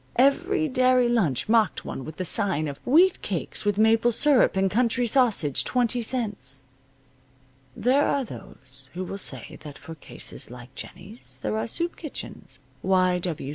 Every dairy lunch mocked one with the sign of "wheat cakes with maple syrup and country sausage, 20 cents." There are those who will say that for cases like Jennie's there are soup kitchens, Y.